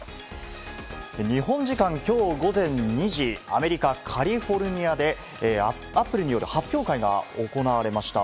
日本時間きょう午前２時、アメリカ・カリフォルニアでＡｐｐｌｅによる発表会が行われました。